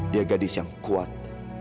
dia gadis yang kuat